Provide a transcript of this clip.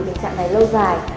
tình trạng này lâu dài